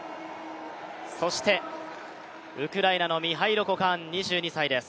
そしてウクライナのミハイロ・コカーン２２歳です。